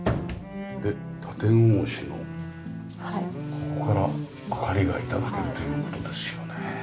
ここから明かりが頂けるという事ですよね。